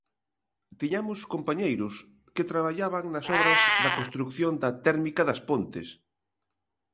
Tiñamos compañeiros que traballaban nas obras da construción da térmica das Pontes.